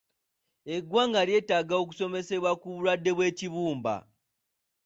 Eggwanga lyeetaaga okusomesebwa ku bulwadde bw'ekibumba.